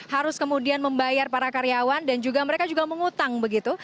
harus kemudian membayar para karyawan dan juga mereka juga mengutang begitu